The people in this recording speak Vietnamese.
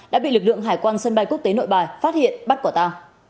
đã bị lực lượng hải quan sân bay quốc tế nội bài phát hiện bắt quả ta